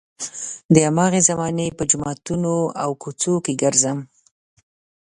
د هماغې زمانې په جوماتونو او کوڅو کې ګرځم.